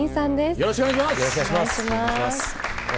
よろしくお願いします。